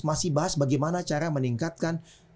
masih bahas bagaimana cara meningkatkan